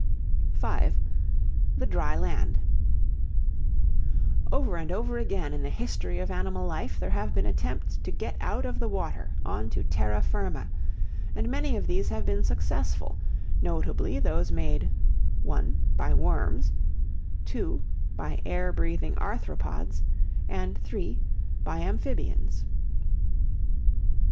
V. THE DRY LAND Over and over again in the history of animal life there have been attempts to get out of the water on to terra firma, and many of these have been successful, notably those made (1) by worms, (2) by air breathing Arthropods, and (3) by amphibians.